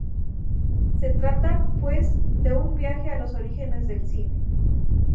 Se trata pues de un viaje a los orígenes del cine.